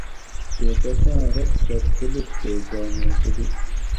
تے تساٞں رٞت پٞھر تُلوک تے گھا ما تلُو